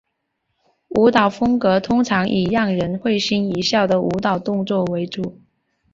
舞蹈风格通常以让人会心一笑的舞蹈动作为主。